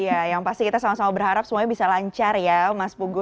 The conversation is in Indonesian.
iya yang pasti kita sama sama berharap semuanya bisa lancar ya mas pugu